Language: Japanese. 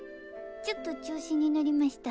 ちょっと調子に乗りました。